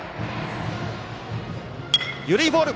緩いボール！